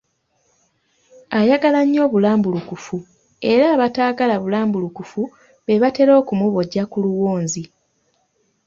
Ayagala nnyo obulambulukufu era abataagala bulambulukufu be batera okumubojja ku luwonzi.